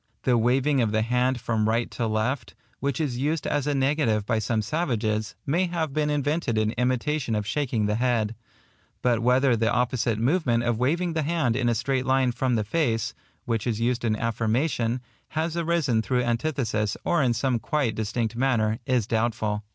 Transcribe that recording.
The waving of the hand from right to left, which is used as a negative by some savages, may have been invented in imitation of shaking the head; but whether the opposite movement of waving the hand in a straight line from the face, which is used in affirmation, has arisen through antithesis or in some quite distinct manner, is doubtful.